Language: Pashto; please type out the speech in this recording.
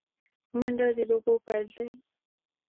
منډه د لوبو پیل دی